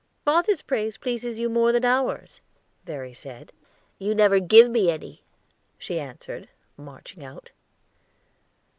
"Father's praise pleases you more than ours," Verry said. "You never gave me any," she answered, marching out.